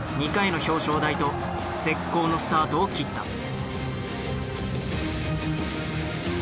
２回の表彰台と絶好のスタートを切った。